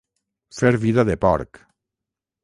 Fer vida de porc.